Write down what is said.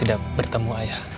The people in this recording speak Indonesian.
ayah bertemu ayah